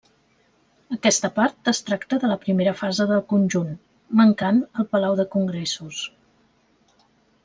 Aquesta part es tracta de la primera fase del conjunt, mancant el palau de congressos.